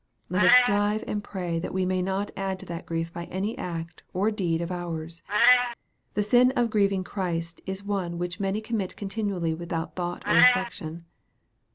Let us strive and pray that we may not add to that grief by any act or deed of ours. The sin of grieving Christ is one which many commit continually without thought or reflection.